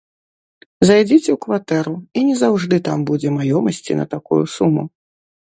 Зайдзіце ў кватэру, і не заўжды там будзе маёмасці на такую суму.